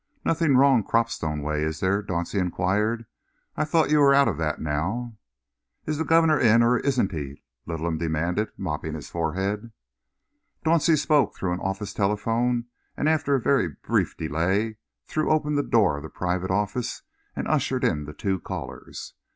"Nothing wrong Cropstone way, is there?" Dauncey enquired. "I thought you were out of that now." "Is the guv'nor in or isn't he?" Littleham demanded, mopping his forehead. Dauncey spoke through an office telephone, and after a very brief delay threw open the door of the private office and ushered in the two callers.